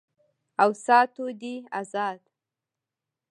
او ساتو دې آزاد